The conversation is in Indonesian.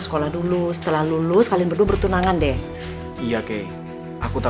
semua tentang kita